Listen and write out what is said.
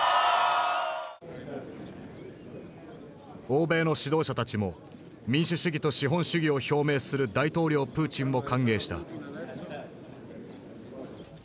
欧米の指導者たちも民主主義と資本主義を表明する大統領プーチンを歓迎した。